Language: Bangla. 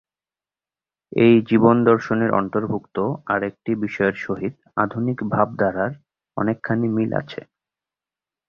এই জীবন-দর্শনের অন্তর্ভুক্ত আর একটি বিষয়ের সহিত আধুনিক ভাবধারার অনেকখানি মিল আছে।